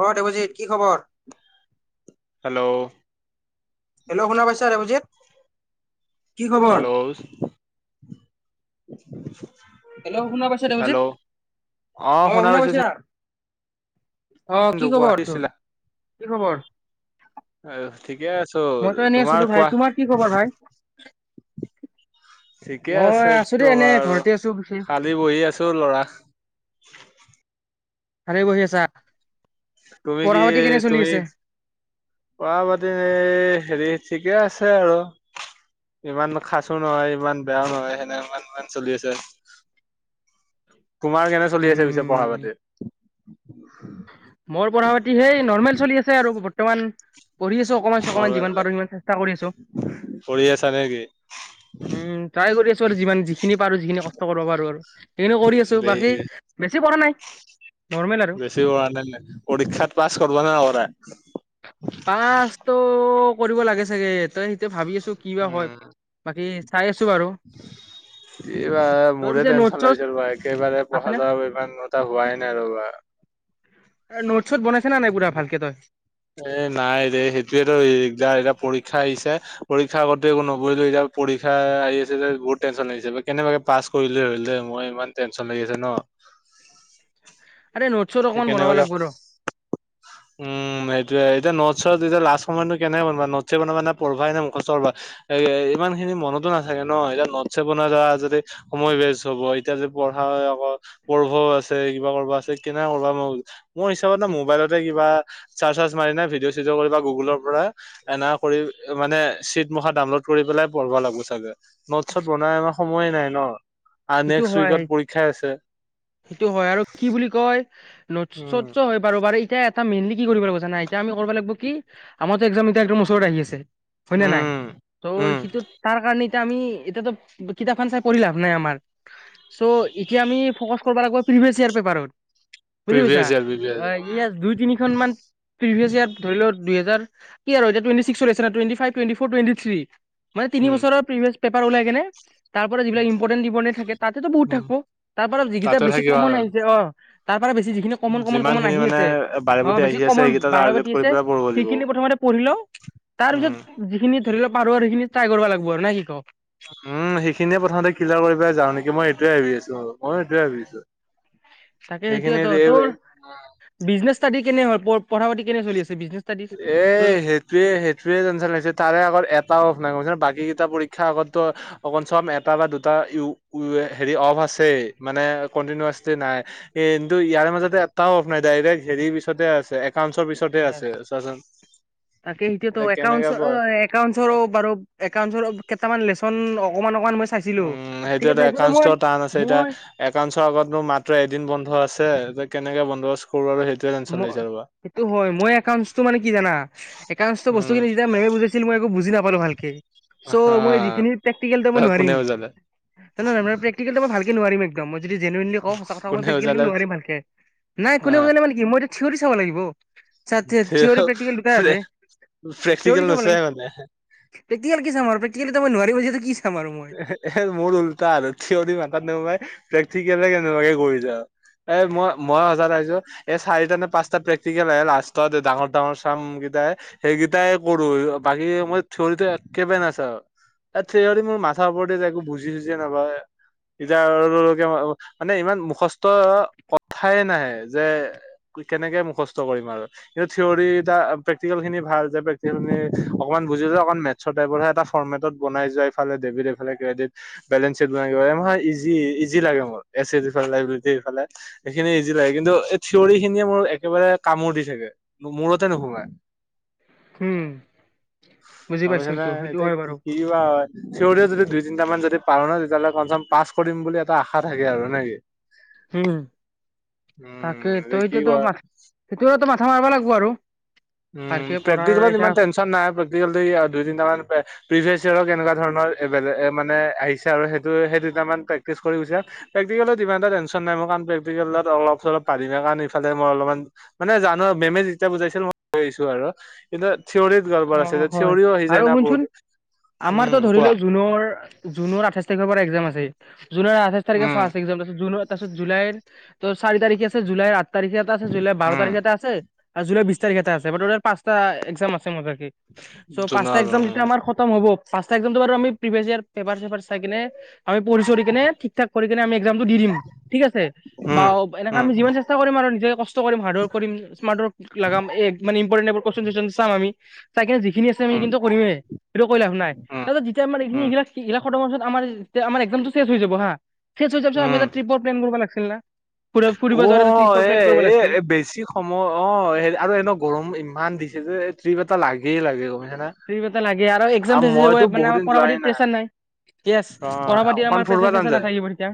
অ দেৱজিৎ, কি খবৰ? Hello. Hello শুনা পাইছা দেৱজিৎ? হেল্ল'। নি নি্চ [inaudible] হেল্ল' শুনা পাইছা দেৱজিৎ, অ শুনা পাইছা? অ কি চিন্তু কোৱা খবৰ তোৰ, দিছিলা কি খবৰ? ঠিকে আছো মইতো এনেই তোমাৰ আছিলো ভাই। কোৱা, তোমাৰ কি খবৰ ভাই? ঠিকে মই আছে আছো কি দেই এনে কবা আৰু ঘৰতে আছো পিছে। খালী বহি আছো লৰা সাৰে বহি আছা। তুমি পঢ়া কি পাতি কেনে চলি তুমি, আছে? পঢ়াপাতি হেৰি ঠিকে আছে আৰু, ইমান খাচো নহয় ইমান বেয়াও নহয় সেনে ইমান ইমান চলি আছে। তোমাৰ কেনে চলি আছে পিছে পঢ়া উম পাতি? উ। মোৰ [inaudible] পঢ়া পাতি সেই নৰ্মেল চলি আছে আৰু বৰ্তমান। উম। পঢ়ি আছো অকমান চকমান নৰ্মেল যিমান পাৰো সিমান চেষ্টা কৰি আছো, পঢ়ি আছা নেকি উম ট্ৰাই কৰি আছো আৰু যিমান যিখিনি পাৰো যিখিনি কষ্ট কৰিব পাৰো আৰু। সেইটো কৰি আছো দেই বাকী, বেছি কৰা নাই নৰ্মেল আৰু। বেছি পঢ়া নাই নে? পৰীক্ষাত পাছ কৰা না নকৰা? পাছটো কৰিব লাগে চাগে, তই? এতিয়া ভাবি আছো কি বা হয় উম বাকী চাই আছো বাৰু এইবাৰ তোৰ মোৰে পিছে নোট টেনচন চোট লাগিছে ৰ'বা একেবাৰে আছে পঢ়া নে চৰা ইমান এটা হোৱাই নাই ৰ'বা। নোট ছোট বনাইছ না নাই পুৰা ভালকে তই? এ নাই দে সেইটোয়ে তো দিগদাৰ এতিয়া পৰীক্ষা আহিছে। পৰীক্ষা আগতো একো নপঢ়িলো এতিয়া পৰীক্ষা আহি আছে যে বহুত টেনচন লাগিছে বা কেনেবাকে পাছ কৰিলো হ'ল দে মই ইমান টেনশ্যন লাগি আছে ন। আ। [inaudible] আৰে নোটছত অকণমান বনাব কেনেবাকে লাগিব ৰ। ত এতিয়া নটছ চটছ এতিয়া লাষ্ট সময়তনো কেনেকে বনাবা নটচছে বনাবা নে পঢ়বাই নে মুখস্থ কৰিবা, এ ইমান খিনি মনতো নাথাকে ন এতিয়া নটছে বনাই যোৱা যদি সময় ৱেষ্ট হব। এতিয়া যদি পঢ়া আকৌ পঢ়ভও আছে কিবা কৰিব আছে। ন ওলাম [inaudible] মোৰ হিচাপত ন মোবাইলতে কিবা চাৰ্চ চাৰ্চ মাৰি নাই ভিডিঅ' চিডিঅ' কৰিব গুগুলৰ পৰা এনা কৰি মানে চিট মুখা ডাউনলোড কৰি পেলাই পঢ়ব লাগিব চাগে। নট চট বনাই আমাৰ সময়ে নাই। ন। আৰু সেইটো নেক্সট হয়, উইকত পৰীক্ষাই আছে সেইটো হয় আৰু কি বুলি কয়। নটছ উম চটছ হৈ বাৰু এতিয়া এটা মেইনলি। কি কৰিব লাগব্ জানা নাই এতিয়া আমি কৰিব লাগিব কি আমাৰো একজাম এতিয়া একদম ওচৰত আহি আছে। হয় নে নাই? উম ত' উম সেইটো তাৰ কাৰণে। এতিয়া আমি এতিয়াতো কিতাপখন চাই পঢ়ি লাভ নাই আমাৰ। চ' এতিয়া আমি ফকাচ কৰবা লাগব্। প্ৰিভিয়ছ ইয়াৰ পেপাৰত। বুজি পাইছা? প্ৰিভিয়াছ ইয়াৰ প্ৰিভিয়াছ ইয়াৰ ইয়াত দুই তিনিখন মান প্ৰিভিয়াছ ইয়াৰ ধৰি লও দুহেজাৰ। কি আৰু এতিয়া টুৱেনটি চিক্স চলি আছে না twenty five, twenty four twenty three. মানে তিনি উম বছৰৰ প্ৰভিয়েছ। পেপাৰ ওলাই গেনে। তাৰ পৰা যিবিলাক ইম্পৰ্টেণ্ দিবনে। থাকে তাতেতো বহুত উম থাকো তাৰ পৰাৰা যিকেইটা তাতে বেছি থাকিবা কমন আহিছে অ তাৰ বেছি যিখিনি কমন কমন যিমান কমন খিনি আহি মানে আছে বাৰে অ প্ৰতি বেছি আহি আছে কমন সেইকেইটা বাৰ টাৰ্গেট বটি কৰি আছে পেলাই পঢ়িব লাগিব। সেইখিনি প্ৰথমতে পঢ়ি ল তাৰ পিছত উম, যিখিনি ধৰি ল পাৰ সেইখিনি ট্ৰাই কৰিব লাগিব আৰু ন শিকক উম সেইখিনিয়ে প্ৰথমতে ক্লিয়াৰ কৰিব পাই যাওঁ নেকি মই এইটোৱে ভাবি আছো ময়ো সেইটোয়ে ভাবি আছো চাগে সেইটোয় ত তোৰ বিজনেচ দি কেনে হয় এ সেইটোৱে সেইটোয়ে টেনশন লাগিছে তাৰে আমাৰ এটাও নাই কছে বাকী পৰীক্ষা আগতো অকন চব এটা বা দুটা হেৰি অফ আছে মানে কন্টিনাচলি নাই কিন্তু ইয়াৰ মাজতে এটাও অফ নাই ডাইৰেক্ট হেৰি পিছতে আছে একাউন্টছৰ পিছতে আছে চোৱাচোন। তাকে এনকেকে এতিয়া কেনেকে পোৱা ঐকৃএতিয়াউ কেইটামান লচন অকমান অকমান মই চাইছিলো একাউণ্টনো সেইটো ঠিক এটা আছে কিন্তু মই একাউণ্টৰ টান আছে এতিয়া মই একাউণ্টৰ আগত মোৰ মাত্ৰ এদিন বন্ধ আছে কেনেকে বন্দবস্ত কৰো আৰু সেই মোক সেইটো হয় মই তোক মানে কি জানা একাউণ্টৰ বস্তু উম খিনি যেতিয়া মেমে বুজাইছিল মই একো বুজি নাপালো ভালকে চ' হা মই যিখিনি প্ৰেক্টিকেল দে নোৱাৰিম কোনে বুজালে জান প্ৰকতিকেল মই ভালকে নোৱাৰিম কমত যদি জেনেওন কওঁ সঁচা কথাই কোনে প্ৰেক্টিকেল বুজালে নোৱাৰিম ভালকে নাই হা কোনেলে মানে মই এতিয়া থিয়ৰি চাব লাগিব থিয়ৰি প্ৰেক্টিকেল দুটাই আছে থিয়ৰি প্ৰেক্টিকেল চাব নোচোৱাই লাগিব মানে। প্ৰেক্টিকেল কি চাম আৰু প্ৰেক্টিকেল মই নোৱাৰিব [unintelligible] মোৰ উল্টা আৰু থিয়ৰি মাথাত নোসোমায় প্ৰেক্টিকেল কেনেকুৱাকে কৰিছা এ মই মই সজাত আহছো এই চাৰিটা নে পাঁচটা প্ৰেক্টিকেল আহে লাষ্টত ডাঙৰ ডাঙৰ চাম কেইটা সেইকেইটাই কৰো বাকী মই থিয়ৰি একেবে নাচাওঁ আৰু এ থিয়ৰি মোৰ মা মাথাবোৰতে যায় একো বুজি চুজি নাপাওয়ে [inaudible] মানে ইমান মুখস্থ কথাই নাহে যে কেনেকে মুখস্থ কৰিম আৰু কিন্তু থিয়ৰ এটা প্ৰেক্টিকেল খিনি ভাল যে প্ৰেক্টিকেল খিনি অকমান বুজিলে অক মেথছৰ টাইপৰহে এটা ফৰ্মেটত বনাই যোৱাফালে ডেবিট এইফালে ক্ৰেডিট বেলেঞ্চ চিট বনাই কিবা এটা ইজি লাগে মোৰ এলেবিলিটফালে খিনি ইজি লাগে কিন্তু এই থিয়ৰৰি খিনিয়ে মোৰ একেবাৰে কামোৰ দি থাকে, মূৰতে নুসোমায়। হুম বুজি পাইছো অৱশ্যে ন এইটো সেইটো এতিয়া হয় কি বাৰু কিবা থিয়ৰিও যদি দুই তিনিটা মান যদি পাৰো নহয় তেতিয়াহ'লে কমচ পাছ কৰিম বুলি এটা আশা থাকে আৰু নেকি উম তাকে উম, তই কি এতিয়া কৰা মাস্কা, সেইটোৱে টো মাস্কা মাথা মাৰিব লাগিব আৰু উ ভালকে পঢ়াৰ প্ৰেক্টিকেলত এতিয়া ইমান টেনচন নাই দুই তিনিটা মান প্ৰিভিয়াছাৰ এনেকুৱা বেলেগ ধৰণৰ মানে আহিছে আৰু সেইটো সেই দুটান প্ৰেক্টিছ কৰি প্ৰেক্টিকেলত ইমান এটা টেনন নাই মোৰ কামটো প্ৰেক্টিকেলত অলপ চলপ পাৰিমে ইফালে মই অলপমান মানে জানো মেমে যেতিয়া বুজাইছে নহয় কৈছো আৰু কিন্তু থিয়ৰিত গৰবৰ অ আছে যে হয় থিয়ৰিও আহি আৰু যায় না শুনচোন বহুত আমাৰতো উম, ধৰি কোৱা লও জুনৰ জুনৰ আঠাইশ তাৰিখৰ পৰা একজাম আছে [unintelligible] জুনৰ আঠাইছ তাৰিখে উম। ফাৰ্ষ্ট এক্সাম টো আছে জুনত তাৰপিছত জুলাইৰ ত' চাৰি তাৰিখে আছে জুলাইৰ আঠ তাৰিখেটা আছে জুলাই বাৰ উম, তাৰিখেটা আছে আৰু জুলাই বিশ বিশ তাৰিখে এটা আছে মুঠতে পাঁচটা এক্সাম আ [inaudible] চ' পাঁচটা জোনাল এক্সাম যেতিয়া আমাৰ উম, খতম হ'ব পাঁচটা এক্সাম বাৰু আ প্ৰিভিয়ছ আৰু পেপাৰ চেপাৰ চাই কেনে আমি পঢ়ি চঢ়ি কিনে ঠিক ঠাক কৰি কিনে আমি এক এক্সামটো দি দিম ঠিক আছে বা ও এনেকা উম, আমি দিবো উম, চেষ্টা কৰিম আৰু নিজে কষ্ট কষ্ট কৰিম হাৰ্ডৱৰক কৰিম স্মাৰ্ট ওৱক লগাগাম এক মান ইম কৰিলে এই বোৰ কোৱেচন চোৱেচন চাম আমি তাকে জি যি আছে আমি উম, সেইখিনি কৰিমেই সেইটো কৈ লাভ নাই উম, তাৰপাছ যেতিয়া মানে আমাৰ সি উম, এইবিলাক সেইবিলাক ফটমছত আমাৰ তেতিয়া আমাৰ এক্সামটো শেষ হৈ যাব হা শেষ হৈ যোৱাৰ পাছত আমি উম। ট্ৰিপৰ প্লেন কৰিব লাগছে [unintelligible] অ এ লাগিছিল এ বেছি সময় অ হে আৰু এনে গৰম ইমান দি দিছে যে ট্ৰিপ এটা লাগেই লাগে অ মানে ট্ৰিপ এটা লাগে আৰু এক্সাম আ শেষ হৈ যাব মইতো মানে বহু আমাৰ দিন পঢ়া যোৱাই পাতিত নাই প্ৰেছাৰ য়েছ অ পঢ়া পাতি অকখন আমাৰ ফুৰিব প্ৰেচাৰ যন চেচাৰ যায় নাথাকিব তেতিয়া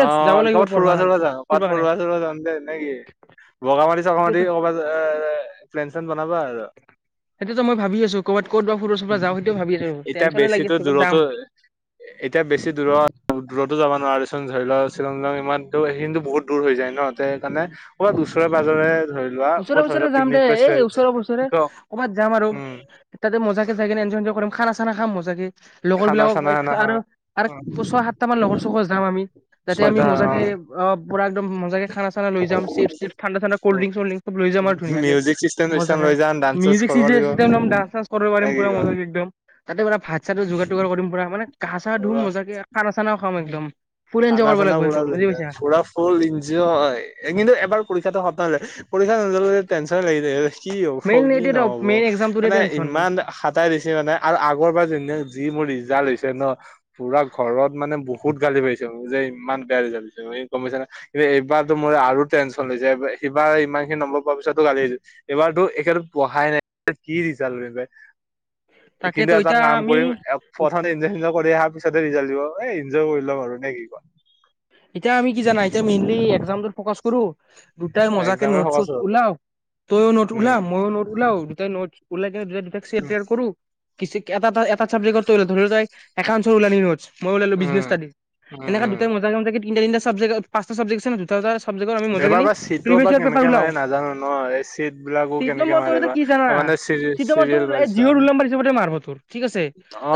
অ‌ যাব লাগিব সিহঁত পঢ়বা ফুৰবা কাৰণে চুৰবা যায় ক'ত কাৰণে ফুৰবা চুৰবা যাম যদে নে কি বগামাটি চগামাটি সেইটোৱেতো কবাত অ অ প্লন। সেইটোতো মই ভাবি আছো কৰ'বাত ক'ত বা। ফুৰব চুৰব যাওঁ সেইটোৱে ভাবি আছো এতিয়া টেনচনে বেছি লাগি আছে ক'ৰবাত যাম দূৰতো এতিয়া বেছি দূৰত দূৰতো যাবা। নোৱাৰিচোন ধৰি লওক শ্বিলং ইলং ইমানতো সখিনো বহুত দূৰ হৈ যায় নহ ত সেইকাৰণে কৰবাত উচৰে পাজৰে ধৰি লোৱা ওচৰে ক'ৰবাত ধৰি পওচৰে লোৱা যাম পিকনিক দে প্লেচ এই ওচৰেৰে পওজৰে ক'ৰবাত যাম আৰু উম ইতে মজা চাগে এ কৰিম খান চানা খাম চাগে লগৰ খানা বিলাকক চানা না অ আৰু ছয় সাতটা মান লগৰ চকৰ যাম আমি যাতে আমি ছয়টা মজাকে অ পুৰা একমজাকে খানা চানা লৈ যাম চিপছ চিপ ঠাণ্ডা ঠাণ্ডা কল্ড অ ড্ৰিংক চলড্ৰিংক। সব লৈ যাম আৰু ধুনীয়াকে মিউজিক চিষ্টেম চিষ্টেম মজাকে লৈ যাম ডান্স চান্স মিউজিক কৰিব চিউজিক লাগিব চিষ্টেম ডান্স চান্স কৰিব নে পাৰম কি পুৰা মজাকে একদম। তাতে পুৰা ভাত চাতটো যোগাৰ যোগাৰ কৰি পুৰা মানে। গা চা ধুম ৰোৱা মজাকে খানা চানাও খাম একদম। ফুল এনজয় খানা কৰিব চানা লাগিব পুৰা একদম বুজি বিন্দাছ পাইছা। পুৰা ফুল ইঞ্জয় কিন্তু এবাৰ পৰীক্ষাটো সমাপ্ত হলে পৰীক্ষা নোযোৱা লৈকে টেনচনে লাগি যাই হৈ কি মেইন হ'ব কি এইটোৱেতো নহ'ব মেইন এক্সামটোৰে মানে টেনচন ইমান হাতাই দিছে মানে আৰু আগৰ পৰা যেন যি মোৰ। ৰিজাল্ট দিছে ন',? পুৰা ঘৰত মানে বহুত গালি পাৰিছে যে', ইমান বেয়া ৰিজাল্ট পাইছে গম পাইছাঁ নে ', নাই কিন্তু এইবাৰতো মোৰ আৰু টেনশ্যন লৈছে এইবাৰ হিবাৰ ইমান খিনি নম্বৰ পোৱাৰ পিছতো গালি আহিছে, এইবাৰতো একখেত পঢ়াই নাই কি ৰিজাল্ট পাই কিন্তু তাকেতো এটা এতিয়া কাম আমি কৰিম এক প্ৰথমতে, ছবে অহা পিছতে ৰিজাল্ট দিব এই ইনজয় কৰি লও নে', কি কয়? এতিয়া আমি কি', জানা, এতিয়া মেইনলি একজামটোত ফকাচ কৰোঁ, দুটাই মজা কে এক্সামে ফকাচ নোট-চোট হ'ব। ওলাও, তইও নট ওলা, উম, মইয়ো নট ওলাও তই নটচ, উম, [unintelligible] [unintelligible] এটা', -এটা, 'চাবজেকটত ধৰিল তই একাউঞ্চৰ ওলালি নটচ, মই ওলালো বিজনেচ উম, ষ্টাডি, উম, এনেকা উম, দুটা মজাকে-মজাকে তিনটা-তিনটা চাবজেক্টচত পচটা চাবজেক্ট অ', দুটা- দুটা আছে। এইবাৰ বা চিটৰ বা কেনেকে মাৰে নাজানো ন এই চিট বিলাকো কেনেকে মাৰে বা অ, মানে চিৰি চিৰিয়েল ৱাইজ অ,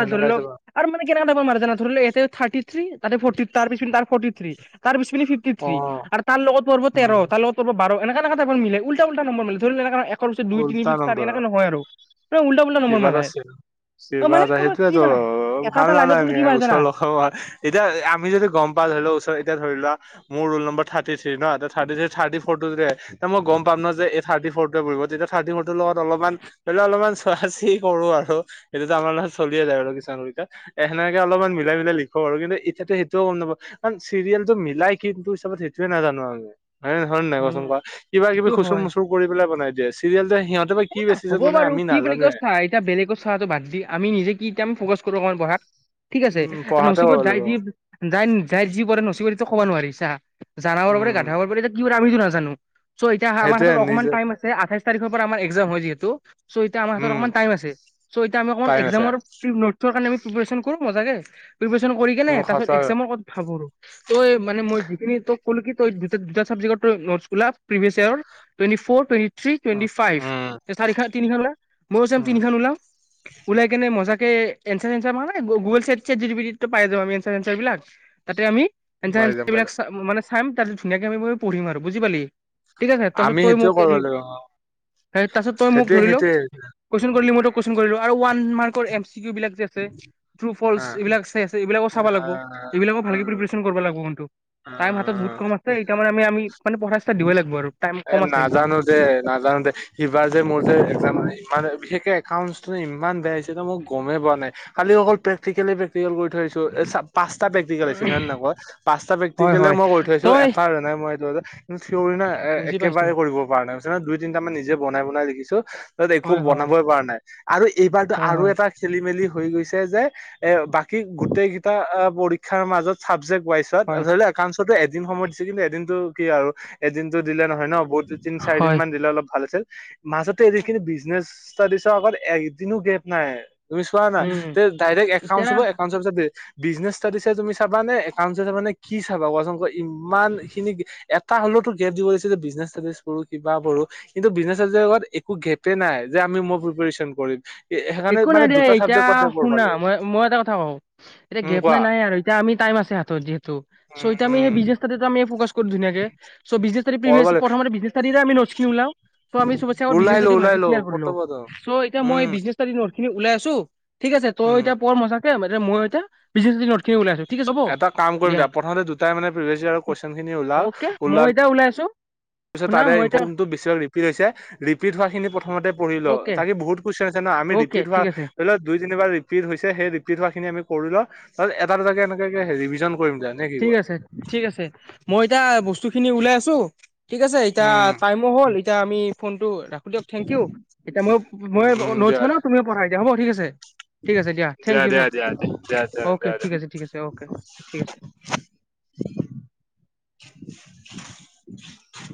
সেনেকাই চাবা কেনেকা টাইপৰ মাৰে জানা ধৰি লোৱা, এতেণ্ড থাৰতি থ্ৰী তাতে ফৰ্টি, তাৰ পিছত তাৰ ফৰ্টি থ্ৰী তাৰপিছত, অ, ফিফটি-থ্ৰী আৰু তাৰ লগত পৰ্ব তেৰ, উম, তাৰ লগত পৰ্ব বাৰ, এনেকা-এনেকা টাইপৰ মিলে উলটা-পুল্টা নম্বৰ মিলে ধৰি, একৰ পিছত দুই তিনি উল্টা পিছত চাৰি এনেকা নম্বৰৰ নহয় আৰু পুৰা উল্টা উল্টা নম্বৰ কিবাত মাৰাই আছিল, অ মানে চেবাত কোনো কি সেইটোয়েতো জানা এটা ভাল এটা লাইনত কোনো নালাগে কি মাৰে জানা ওচৰৰ এতিয়া আমি যদি, গম পাল ধৰি লোৱা ওচৰ এতিয়া ধৰি লোৱা, মোৰ ৰুল নম্বৰ থাৰ্টি থ্ৰী, ন', ত', থাৰ্টি ফৰ্টো যদি মই গম পাম ন', যে, এই থাৰ্টি ফৰ্টোৱে পৰিব। যেতিয়া থাৰ্টি ফৰ্টোৰ লগত অলপমান ধৰি লোৱা অলপমান চোৱা-চি কৰো আৰু সেইটোতো আমাৰ লগত চলিয়ে যায়, আৰু কিছুমানৰ ক্ষেত্ৰত এ, সেনেকে অলপমান মিলাই-মিলাই লিখো আৰু কিন্তু এতিয়াটো সেইটোযও গম নাপাও, কাৰন চিৰিয়েলটো মিলাই কিন্তু হিচাপত সেইটোয়ে নাজানো। হয়, ন, হয়', নাই উম কোৱাচোন-কোৱা, কিবা-কিবি সেইটো হয় খুচুৰ-মুচুৰ কৰি পেলাই বনাই দিয়া হৈছে। [inaudible] এ, হ'ব বাৰু কি বুলি কয় চা, এতিয়া বেলেগক চাৱাটো বাদ দি, আমি নিজে কি, এতিয়া আমি ফকাচ কৰো অকণমান পঢ়াত ঠিক আছে, উম, পঢ়াতে কৰিব নচীবত যাই লাগিব। যি, যাই, যাই যি, পৰে নচীবত সিটো ক'ব নোৱাৰি চা জানা হব পাৰে, উম, গাধাও হব পাৰে, এতিয়া কি আমিতো নাজানো। চ, এতিয়া হা, আমাৰ সেইটোয়ে হাতত অকণমান নিজে টাইম আছে আঠাইচ তাৰিখৰ পৰা আমাৰ একজাম হয় যিহেতু চ, এতিয়া আমাৰ হাতত উম, অকনমান টাইম আছে, চ, এতিয়া আমি টাইম আছে। একজামৰ নটচৰ কাৰণে আমি প্ৰিপাৰেচন কৰো। মজাগে। প্ৰিপাৰেচন কৰি কিনে, উম, তাৰ পিছত সঁচা একজামৰ কত ভাব আৰু তই মানে মই যিখিনি তোক কল কি তই দুটা চাবজেক্ট তই নটছবিলাক প্ৰিভিয়াছ ইয়াৰ টুৱেন্টি ফৌৰ টোৱে থ্ৰী টুৱেণ্টি উম, ফাইভ। উম, চাৰিখন, তিনিখন ওলাই, মইয়ো চাও উম, তিনিখন ওলাও, ওলাই কিনে মজা এই এঞ্চাৰ এঞ্চাৰ মই মানে গো Google, chat chat G P টিতে পাই যাও আমি এঞ্চাৰ চেঞ্চাৰ বিলাক তাতে আমি এঞ্চাৰ পাই যাম, পাই এইবিলাক যাম। চা মানে চাম তাৰ পাছত ধুনীয়াকে আমি পঢ়িম আৰু বুজি পালি। ঠিক আছে আমি সেইটোৱে কৰিব লাগিব। তাৰপাছতে তই মোক সেইটোয়ে, ধৰি ল সেইটোয়ে কোৱেছন কৰিলি আৰু মই তোক কোৱেছন কৰিলোঁ আৰু ৱা উম [inaudible] এম চি কিও বিলাক যে ট্ৰু ফ্ৰলছ অ', এইবিলাক চাই আছে এইবিলাকো চাব লাগিব, অ', এইবিলাকো ভালকে প্ৰিপাৰেচন কৰিব লাগিব। কোনটো? অ', টাইম হাতত অ'। বহুত কম আছে এইকাৰণে আমি আমি মানে পঢ়া ষ্টাৰ্টত দিবই লাগিব আৰু টাইম এ কম আছে একদম। নাজানো যে নাজানো দে সিবাৰ যে মোৰ যে একাম মানে ইমান বিশেষকে একাউণ্টচটো ইমান বেয়া হৈছে মই গমেই পোৱা নাই খালি অকল প্ৰেক্টিকেলি কৰি থৈ আহিছো এ পাঁচটা প্ৰেটিকেল আহিছে জানা নাই, মই পাঁচটা হয় প্ৰেক্টিকেলে হয় মই কৰি থৈ আহিছোঁ তই এটাও এৰা নাই মই থিওৰি না বুজি পাইছো একেবাৰে কৰিব পৰা নাই দুই তিনটা মান নিজে বনাই বনাই লিখিছো। ত একো হয় হয় বনাবই পৰা নাই। আৰু এইবাৰতো হয় আৰু হয় এটা খেলি মেলি হৈ গৈছে যে এ বাকী গোটেই কেইটা পৰীক্ষাৰ মাজত চাবজেক্ট হয় [unintelligible] একাউণ্টছত যিকোনো এদিন সময় দিছে কিন্তু এদিনটো কি আৰু। এদিনতো দিলে নহ হয় ন বহুত তিনি চাৰি দিন হয় মান দিলে অলপ ভাল আছিল। মাজতে যিখিনি বিজনেছ ষ্টাদিছৰ আগত এদিনো গেপ নাই। তুমি চোৱা না উম তে ডাইৰেক্ট একাউনটচ এতিয়া একাউনটচৰ পিছত বিজনেছ ষ্টাডিছে তুমি চাবা নে একাউণ্টছে চাবা নে কি চাবা কোৱাচোন কোৱা। ইমান খিনি এ এটা হলে টো গেপ দিব ল দিছে যে বিজনেছ পঢ়ো কিবা পঢ়োঁ কিন্তু বিজনেছ ত একো গেপ এ নাই যে আমি প্ৰিপাৰেচন কৰিম। সেইকাৰণে একো নাই মানে দিয়া দুটা এতিয়া, চাবজেক্টতে পঢ়বা শুনা লাগে মই মই এটা কথা কওঁ এতিয়া উম গেপ কোৱা নাই‌ নাই আৰু এতিয়া আমি টাইম আছে হাতত যিহেতু উম এতিয়া উম আমি [unintelligible] ধুনীয়া কে, চ' বিজনেছ ষ্টাডি পঢ়বা [unintelligible] লাগে প্ৰথমতে আমি বিজনেছ ষ্টাডিৰে ন'টচ খিনি উলিয়াম, চ' আমি চবতকে আগত‌ ওলাই বিজনেছ ল ষ্টাডি ওলাই ভালকে ল ক্লিয়াৰ কৰি ক'ত লওঁ, চ' এতিয়া মই উম বিজনেছ খিনি ওলাই আছোঁ! ঠিক আছে তই উম এতিয়া পঢ় মজাকে মই এতিয়া বিজনেছ ষ্টাডিৰ ন'টচ এটা কাম কৰিম দিয়া, প্ৰথমতে দুটাই মানে প্ৰিভিয়াচ য়েৰৰ কোৱেছন খিনি ওলাওঁ অ'কে মই ওলোৱা এতিয়া ওলাই আছো পিছে শুনা তাৰেই মই এতিয়া ইম্পৰ্টেন্টটো পিছত ৰিপিট হৈছে ৰিপিট হোৱাখিনি প্ৰথমতে পঢ়ি লওঁ, অ'কে তাৰে বহুত জানো আমি অ'কে ৰিপিট হোৱা ঠিক আছে ধৰি ল দুই যোনি খিনিবা ৰিপিট হৈছে, সেই ৰিপিট হোৱা খিনি আমি কৰি লওঁ তাৰ পিছত এটা দুটা কে এনেকে এনেকে এনেকে ৰিভিজন কৰিম দিয়া নে কি ঠিক কোৱা আছে ঠিক আছে মই এতিয়া বস্তু বস্তু খিনি ওলাই আছো ঠিক আছে এতিয়া উম টাইমো হ'ল, এতিয়া আমি ফোনটো ৰাখো দিয়ক থেংক ইউ, এতিয়া মই মই উম ন'টচ দিয়া বনাওঁ তুমিও পঢ়া এতিয়া। দে হ'ব ঠিক আছে। ঠিক আছে দিয়া থেংক ইউ চ', দিয়া দিয়া দিয়া দিয়া দিয়া অকে দিয়া ঠিক আছে ঠিক আছে ঠিক আছে। [inaudible]